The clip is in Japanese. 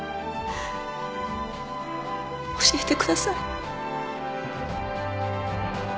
教えてください。